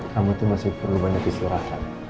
kamu tuh masih perlu banyak diselurahkan